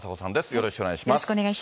よろしくお願いします。